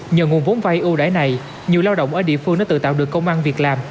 nhờ nguồn vốn vay ưu đại này nhiều lao động ở địa phương đã tự tạo được công an việc làm